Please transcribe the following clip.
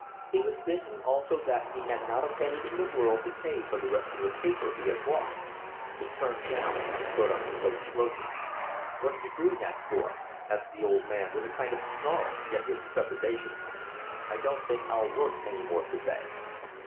He was thinking also that he had not a penny in the world to pay for the rest of the paper he had bought. He turned round and put on his coat slowly. "What are you doing that for?" asked the old man, with a kind of snarl, yet with trepidation. "I don't think I'll work any more to day."